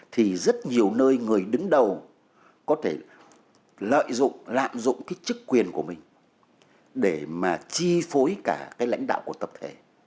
thì rất nhiều nơi người đứng đầu có thể lợi dụng lạm dụng chức quyền của mình để chi phối cả lãnh đạo của tập thể